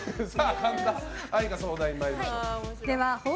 神田愛花相談員、参りましょう。